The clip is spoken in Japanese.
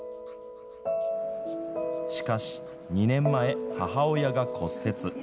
しかし、２年前、母親が骨折。